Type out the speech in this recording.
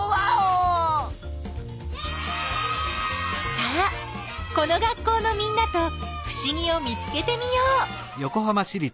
さあこの学校のみんなとふしぎを見つけてみよう！